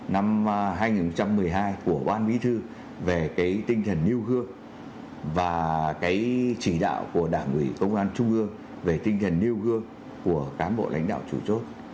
năm hai nghìn một mươi hai của ban bí thư về tinh thần nêu gương và cái chỉ đạo của đảng ủy công an trung ương về tinh thần nêu gương của cán bộ lãnh đạo chủ chốt